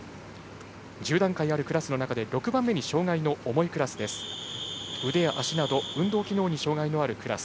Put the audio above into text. １０段階あるクラスの中で６番目に障がいが重いクラス。